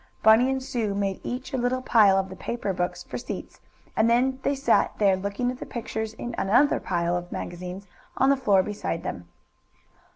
Bunny and Sue made each a little pile of the paper books for seats and then they sat there looking at the pictures in another pile of magazines on the floor beside them.